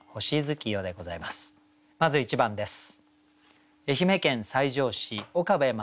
まず１番です。